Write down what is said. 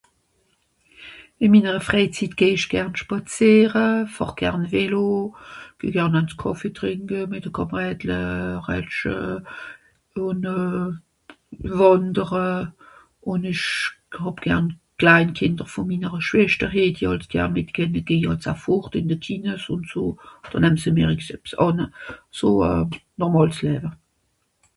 ìn mìnnere Freijzit geh isch gern schpàzeere fàhr gern Vélo geh garn àns Kàffee trìnke mìt de Kàmerädle euh rätsche ùn euh wàndere ùn ìsch hàb gern d'klain Kìnder vòn minnere Schwester hätti àls gern ... mr geje àss euj fòrt ìn de Kìnes ùn so dà nemms méricks ebs ànne so nòrmàls läwe